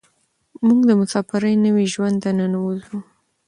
موږ د مساپرۍ نوي ژوند ته ننوځو.